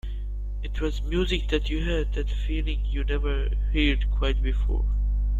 It was music that you had that feeling you never heard quite before.